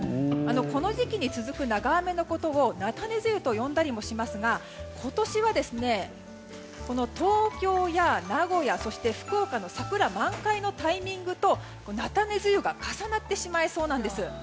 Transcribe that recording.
この時期に続く長雨のことをなたね梅雨と呼んだりもしますが今年は東京や名古屋、そして福岡の桜満開のタイミングとなたね梅雨が重なってしまいそうなんです。